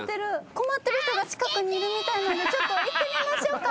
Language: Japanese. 困ってるから近くにいるみたいなんでちょっと行ってみましょうか。